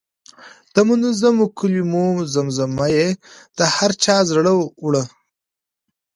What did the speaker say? د منظومو کلمو زمزمه یې د هر چا زړه وړه.